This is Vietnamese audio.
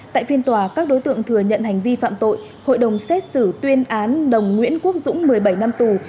tại phiên tòa các đối tượng thừa nhận hành vi phạm tội hội đồng xét xử tuyên án đồng nguyễn quốc dũng một mươi bảy năm tù